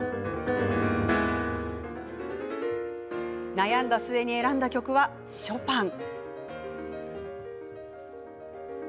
悩んだ末に選んだ曲はショパン。